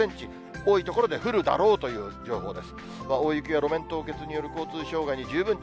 多い所で降るだろうという情報です。